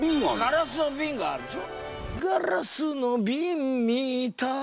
ガラスのビンがあるでしょ。